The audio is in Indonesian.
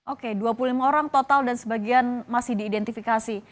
oke dua puluh lima orang total dan sebagian masih diidentifikasi